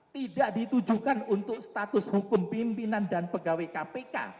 tidak ditujukan untuk status hukum pimpinan dan pegawai kpk